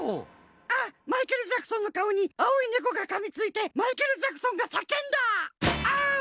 あっマイケル・ジャクソンのかおに青いネコがかみついてマイケル・ジャクソンがさけんだ！